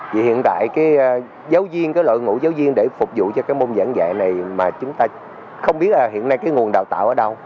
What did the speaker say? vì hiện tại cái giáo viên cái đội ngũ giáo viên để phục vụ cho cái môn giảng dạy này mà chúng ta không biết hiện nay cái nguồn đào tạo ở đâu